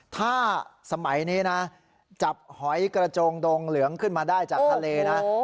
ถ้าสมัยนี้นะจับหอยกระโจงดงเหลืองขึ้นมาได้จากทะเลนะ